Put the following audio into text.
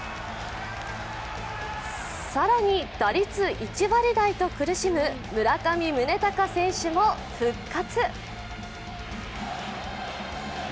更に、打率１割台と苦しむ村上宗隆選手も復活。